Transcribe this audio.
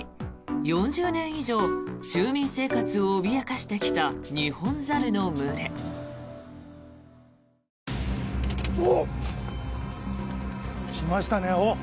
４０年以上、住民生活を脅かしてきたニホンザルの群れ。来ましたね。